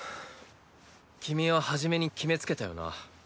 君は初めに決めつけたよな。